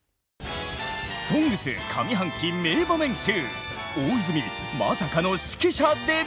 「ＳＯＮＧＳ」上半期名場面集！